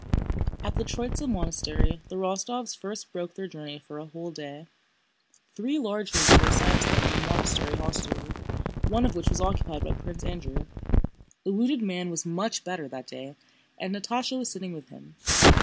At the Tróitsa monastery the Rostóvs first broke their journey for a whole day. Three large rooms were assigned to them in the monastery hostelry, one of which was occupied by Prince Andrew. The wounded man was much better that day and Natásha was sitting with him.